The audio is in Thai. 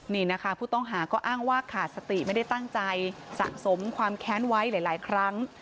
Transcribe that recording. นี่นะคะผู้ต้องหาก็อ้างว่าขาดสติไม่ได้ตั้งใจสะสมความแค้นไว้หลายครั้ง